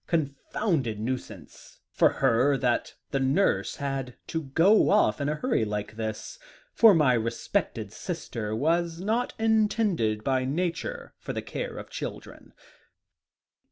Confounded nuisance for her that the nurse had to go off in a hurry like this, for my respected sister was not intended by nature for the care of children."